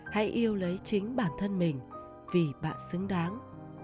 hãy yêu lấy chính bản thân mình vì bạn xứng đáng